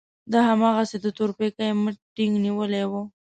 ده هماغسې د تورپيکۍ مټ ټينګ نيولی و.